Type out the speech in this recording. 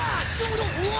うわ！